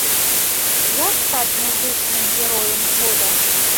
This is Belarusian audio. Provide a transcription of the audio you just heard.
Як стаць музычным героем года?